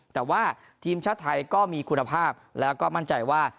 แต่ว่าทีมชาติไทยก็มีคุณภาพแล้วก็มั่นใจว่า